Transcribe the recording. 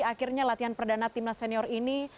akhirnya latihan perdana timnas senior ini